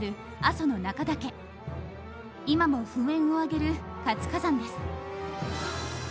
今も噴煙を上げる活火山です。